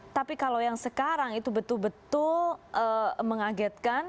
tapi kalau yang sekarang itu betul betul mengagetkan